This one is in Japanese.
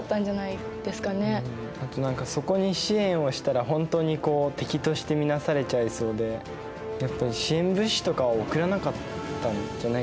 あと何かそこに支援をしたらほんとに敵としてみなされちゃいそうでやっぱり支援物資とかを送らなかったんじゃないかなと思うな。